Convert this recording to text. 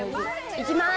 行きます！